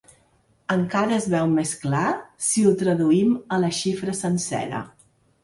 Encara es veu més clar si ho traduïm a la xifra sencera.